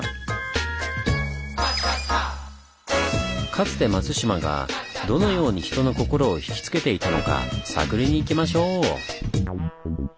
かつて松島がどのように人の心をひきつけていたのか探りに行きましょう！